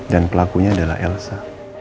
dan pelakunya adalah elsa